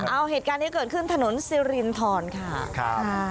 เอาเหตุการณ์ที่เกิดขึ้นถนนซิลลินทรค่ะ